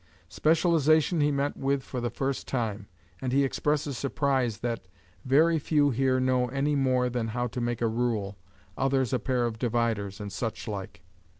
Specialisation he met with for the first time, and he expresses surprise that "very few here know any more than how to make a rule, others a pair of dividers, and suchlike."